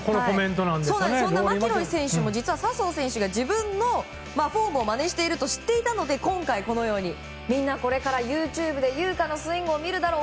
マキロイ選手も実は笹生選手が自分のフォームをまねしているとしっていたので今回、みんなこれからＹｏｕＴｕｂｅでユウカのスイングを見るだろう。